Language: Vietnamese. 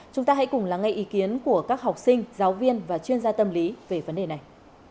chúng ta hãy cùng lắng nghe ý kiến của các học sinh giáo viên và chuyên gia tâm lý về vấn đề này